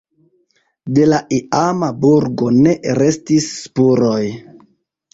De la iama burgo ne restis spuroj.